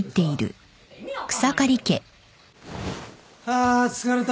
あ疲れた。